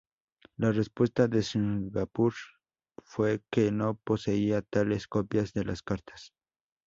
La respuesta de Singapur fue que no poseía tales copias de las cartas.